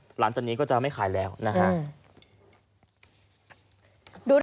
หลังจากนี้ก็จะไม่ขายแล้วนะฮะ